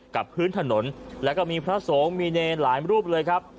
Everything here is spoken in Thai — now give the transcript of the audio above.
กับพื้นถนนแล้วก็มีพระสงฆ์มีเนรหลายรูปเลยครับ